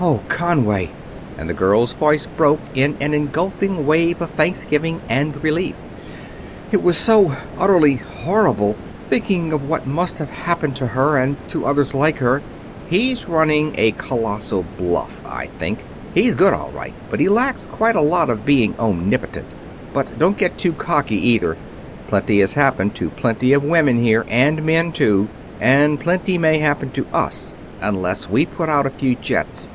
"Oh, Conway!" and the girl's voice broke in an engulfing wave of thanksgiving and relief. "It was so unutterably horrible, thinking of what must have happened to her and to others like her!" "He's running a colossal bluff, I think. He's good, all right, but he lacks quite a lot of being omnipotent. But don't get too cocky, either. Plenty has happened to plenty of women here, and men too and plenty may happen to us unless we put out a few jets.